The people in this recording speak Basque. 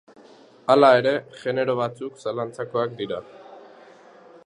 Hala ere, genero batzuk zalantzazkoak dira.